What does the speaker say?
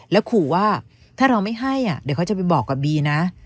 แล้วขู่ว่าถ้าเราไม่ให้เดี๋ยวเขาจะไปบอกกับบีนะ